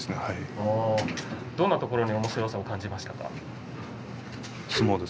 どんなところにおもしろさを感じましたか？